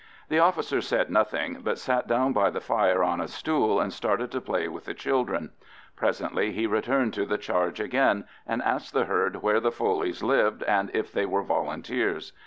The officer said nothing, but sat down by the fire on a stool and started to play with the children; presently he returned to the charge again, and asked the herd where the Foleys lived, and if they were Volunteers.